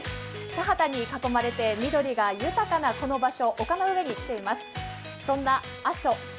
田畑に囲まれて緑が豊かなこの場所、岡の上に来ています。